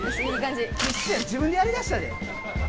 必死やん自分でやりだしたで。